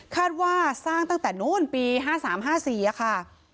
คาดว่าสร้างตั้งแต่นู่นปีห้าสามห้าสี่อ่ะค่ะ